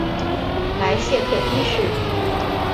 莱谢克一世。